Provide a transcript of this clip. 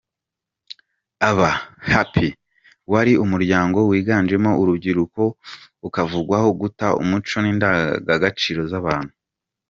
Aba Hippie wari umuryango wiganjemo urubyiruko ukavugwaho guta umuco n’indangangaciro z’abantu.